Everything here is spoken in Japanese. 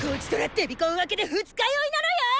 デビコン明けで二日酔いなのよ！